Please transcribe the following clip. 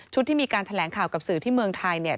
ที่มีการแถลงข่าวกับสื่อที่เมืองไทยเนี่ย